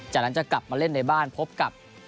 จากนั้นจะกลับมาเล่นในบ้านพบกับ